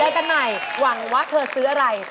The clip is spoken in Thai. กันใหม่หวังว่าเธอซื้ออะไร